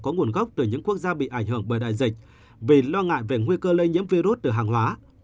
có nguồn gốc từ những quốc gia bị ảnh hưởng bởi đại dịch vì lo ngại về nguy cơ lây nhiễm virus từ hàng hóa